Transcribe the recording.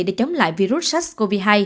để chống lại virus sars cov hai